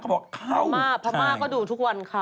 เขาบอกเข้าไข้พระม่าก็ดูทุกวันค่ะ